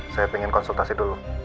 saya pengen konsultasi dulu